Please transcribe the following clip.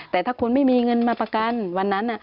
แต่ถ้าคุณไม่มีเงินมาประกันวันนั้น